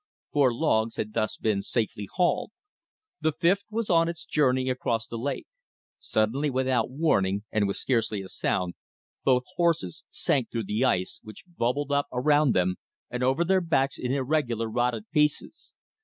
Four logs had thus been safely hauled. The fifth was on its journey across the lake. Suddenly without warning, and with scarcely a sound, both horses sank through the ice, which bubbled up around them and over their backs in irregular rotted pieces.